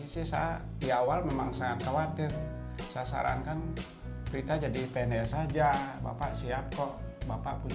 sisa diawal memang sangat khawatir sasaran kan berita jadi pendes aja bapak siap kok bapak punya